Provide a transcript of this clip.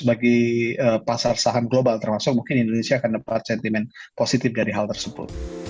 bagi pasar saham global termasuk mungkin indonesia akan dapat sentimen positif dari hal tersebut